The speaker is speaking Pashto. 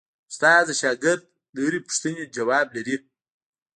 استاد د شاګرد د هرې پوښتنې ځواب لري.